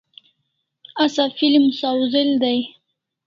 Asa film sawz'el dai